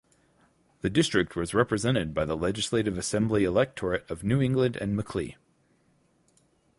The district was represented by the Legislative Assembly electorate of New England and Macleay.